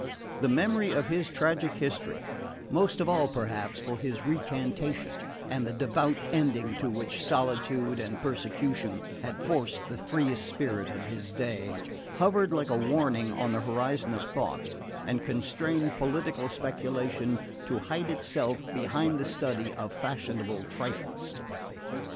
The memory of his tragic history most of all, perhaps, of his recantation and the "devout ending" to which solitude and persecution had forced the freest spirit of his day hovered like a warning on the horizon of thought and constrained political speculation to hide itself behind the study of fashionable trifles.